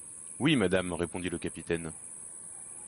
Oui, madame, répondit le capitaine.